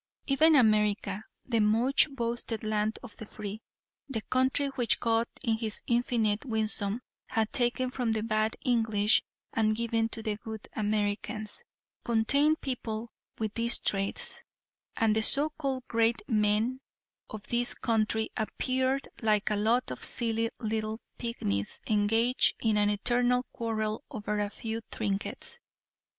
Even America, the much boasted land of the free, the country which God in his infinite wisdom had taken from the bad English and given to the good Americans, contained people with these traits, and the so called great men of this country appeared like a lot of silly little pigmies engaged in an eternal quarrel over a few trinkets.